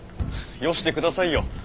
よしてくださいよ